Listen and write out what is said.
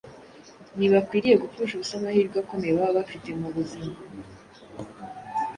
Ntibakwiriye gupfusha ubusa amahirwe akomeye baba bafite mu buzima,